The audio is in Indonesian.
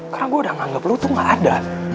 karena gue udah nganggep lu tuh gak ada